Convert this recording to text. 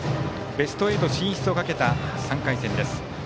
ベスト８進出をかけた３回戦です。